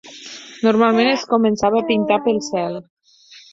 Normalment es començava a pintar pel cel.